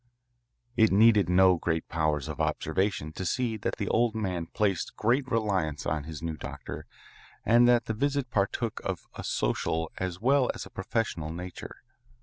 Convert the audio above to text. It needed no great powers of observation to see that the old man placed great reliance on his new doctor and that the visit partook of a social as well as a professional nature.